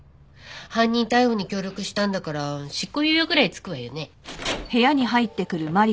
犯人逮捕に協力したんだから執行猶予ぐらいつくわよね？